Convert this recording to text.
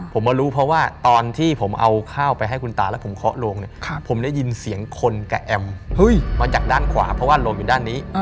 ผมมารู้เพราะว่าตอนที่ผมเอาข้าวไปให้คุณตาแล้วผมเคาะโรงเนี่ยผมได้ยินเสียงคนกับแอมมาจากด้านขวาเพราะว่าโรงอยู่ด้านนี้